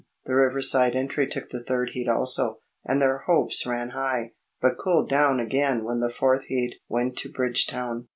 The Riverside entry took the third heat also, and their hopes ran high, but cooled down again when the fourth heat went to Bridgetown.